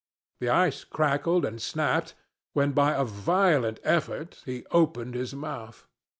The ice crackled and snapped when by a violent effort he opened his mouth.